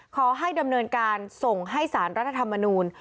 ขอให้ดำเนินการส่งให้สารรัฐธรรมนูล